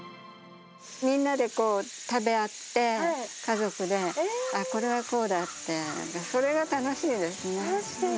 みんなで食べ合って、家族で、あっ、これはこうだって、それが楽しいですね。